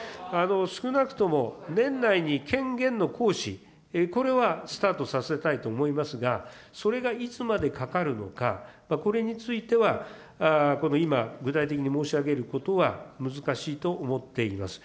少なくとも年内に権限の行使、これはスタートさせたいと思いますが、それがいつまでかかるのか、これについては今、具体的に申し上げることは難しいと思っています。